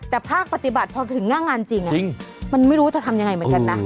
แต่ภาคปฏิบัติพอถึงหน้างานจริงมันไม่รู้จะทำยังไงเหมือนกันนะ